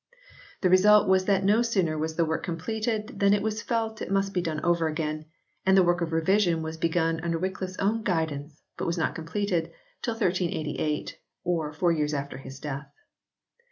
The result was that no sooner was the work completed than it was felt it must be done over again, and the work of revision was begun under Wycliffe s own guidance but was not completed till 1388, or four years after his death.